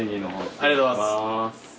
ありがとうございます。